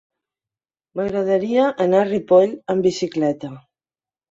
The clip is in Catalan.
M'agradaria anar a Ripoll amb bicicleta.